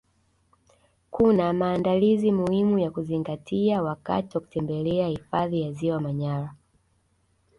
Kuna maandalizi muhimu ya kuzingatia wakati wa kutembelea hifadhi ya ziwa manyara